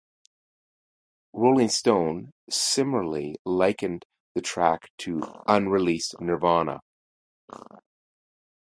"Rolling Stone" similarly likened the track to "unreleased Nirvana".